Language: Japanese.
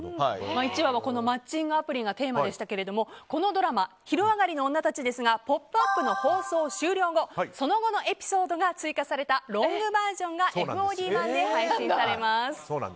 １話はマッチングアプリがテーマでしたがこのドラマ「昼上がりのオンナたち」ですが「ポップＵＰ！」の放送終了後その後のエピソードが追加されたロングバージョンがＦＯＤ版で配信されます。